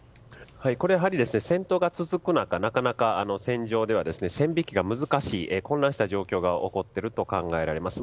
これは戦闘が続く中なかなか戦場では線引きが難しい、混乱した状況が起こっていると考えられます。